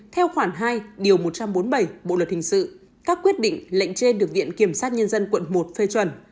theo khoản hai điều một trăm bốn mươi bảy bộ luật hình sự các quyết định lệnh trên được viện kiểm sát nhân dân quận một phê chuẩn